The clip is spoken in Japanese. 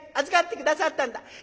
預かって下さったんだ。